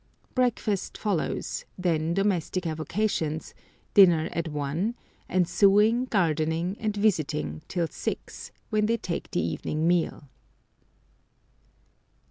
Breakfast follows, then domestic avocations, dinner at one, and sewing, gardening, and visiting till six, when they take the evening meal.